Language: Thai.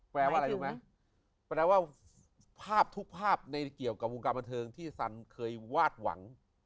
แปลว่าอะไรรู้ไหมแปลว่าภาพทุกภาพในเกี่ยวกับวงการบันเทิงที่สันเคยวาดหวัง